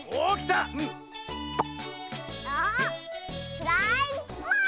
フライパーン！